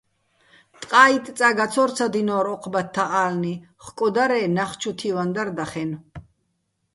ტყა́იტტ წა გაცო́რცადინორ ო́ჴ ბათთა ა́ლნი, ხკო დარ-ე́ ნახ ჩუ თივაჼ დარ დახენო̆.